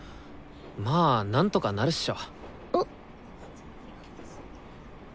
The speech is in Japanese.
まあなんとかなるっしょ。